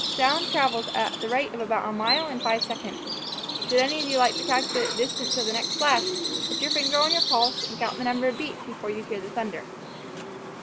Sound travels at the rate of about a mile in five seconds. Should any of you like to calculate the distance of the next flash, put your finger on your pulse, and count the number of beats before you hear the thunder."